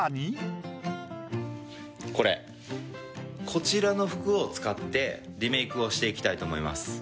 こちらの服を使ってリメイクをしていきたいと思います。